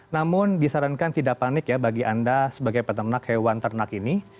namun disarankan tidak panik ya bagi anda sebagai peternak hewan ternak ini